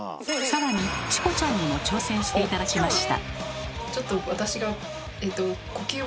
更にチコちゃんにも挑戦して頂きました。